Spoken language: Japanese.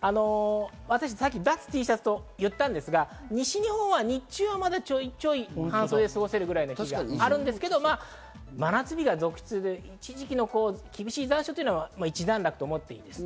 私、脱Ｔシャツを言ったんですが、西日本は日中まだ、ちょいちょい半袖で過ごせるくらいの日があるんですが、真夏日が続出の一時期の厳しい残暑は、一段落と思っていいです。